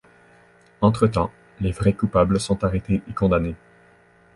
Entre-temps, les vrais coupables sont arrêtés et condamnés.